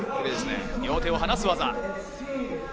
両手を放す技。